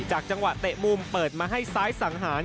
จังหวะเตะมุมเปิดมาให้ซ้ายสังหาร